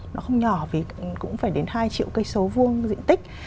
nó không nhỏ vì cũng phải đến hai triệu cây số vuông diện tích